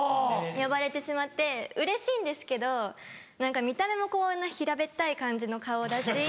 呼ばれてしまってうれしいんですけど何か見た目もこんな平べったい感じの顔だし。